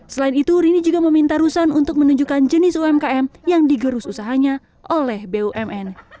selain itu rini juga meminta rusan untuk menunjukkan jenis umkm yang digerus usahanya oleh bumn